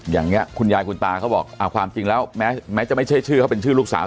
อย่างนี้คุณยายคุณตาเขาบอกความจริงแล้วแม้จะไม่ใช่ชื่อเขาเป็นชื่อลูกสาว